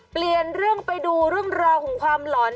เปลี่ยนเรื่องไปดูเรื่องราวของความหลอน